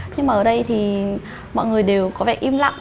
nhưng mà ở đây thì mọi người đều có vẻ im lặng